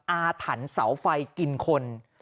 อาถรรพ์เสาไฟกินคน